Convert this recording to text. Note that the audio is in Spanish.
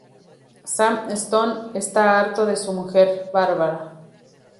Sam Stone está harto de su mujer, Bárbara.